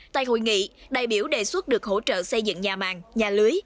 tại hội nghị đại biểu đề xuất được hỗ trợ xây dựng nhà màng nhà lưới